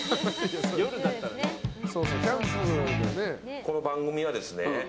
この番組はですね。